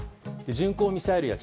巡航ミサイルや地